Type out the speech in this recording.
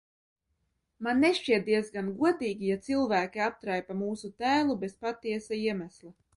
Man nešķiet diezgan godīgi, ja cilvēki aptraipa mūsu tēlu bez patiesa iemesla.